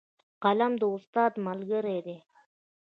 قلم د استاد ملګری دی